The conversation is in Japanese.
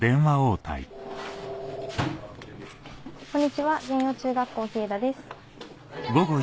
こんにちは玄洋中学校稗田です。